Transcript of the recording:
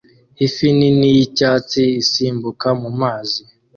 ifi nini y'icyatsi isimbuka mu mazi